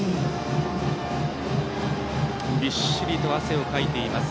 びっしりと汗をかいています